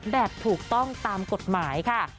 แบบถูกต้องตามกฎหมายค่ะ